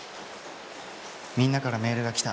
みんなからメールが来た。